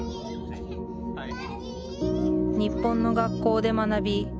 日本の学校で学び